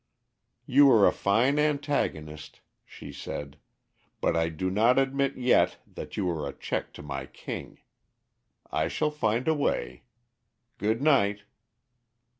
"You are a fine antagonist," she said; "but I do not admit yet that you are a check to my king. I shall find a way. Good night!"